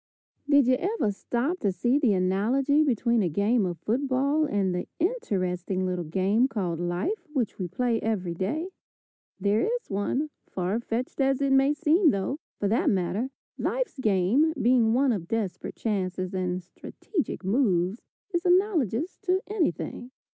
Did you ever stop to see the analogy between a game of football and the interesting little game called life which we play every day? There is one, far fetched as it may seem, though, for that matter, life's game, being one of desperate chances and strategic moves, is analogous to anything.